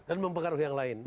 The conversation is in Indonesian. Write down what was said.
dan mempengaruhi yang lain